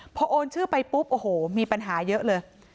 พอโอนชื่อไปปุ๊บโอ้โหมีปัญหาเยอะเลย